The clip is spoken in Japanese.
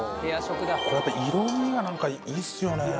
これやっぱ色みが何かいいっすよね。